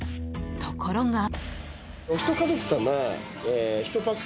ところが。